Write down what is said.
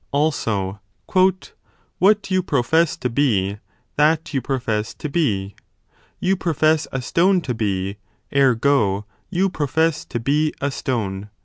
Also, What you pro fess to be, that you profess to be : you profess a stone to be : ergo you profess to be a stone.